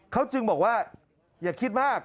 เขาจึงบอกว่าอย่าคิดมาก